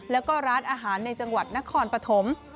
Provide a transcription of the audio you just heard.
แล้วก็ร้านอาหารในจังหวัดนครปฐม